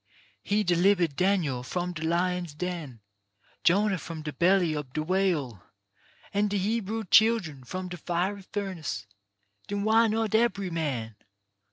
" He delibered Daniel from de lion's den, Jonah from de belly ob de whale, An' de Hebrew children from de fiery furnace. Den why not ebery man?"